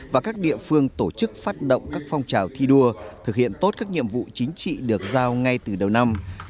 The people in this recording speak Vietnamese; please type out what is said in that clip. và các địa phương tổ chức phát động các phong trào thi đua thực hiện tốt các nhiệm vụ chính trị được giao ngay từ đầu năm